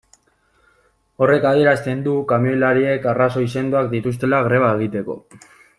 Horrek adierazten du kamioilariek arrazoi sendoak dituztela greba egiteko.